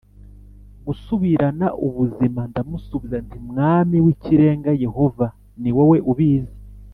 Gusubirana ubuzima ndamusubiza nti mwami w ikirenga yehova ni wowe ubizi